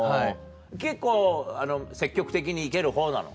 結構積極的に行けるほうなの？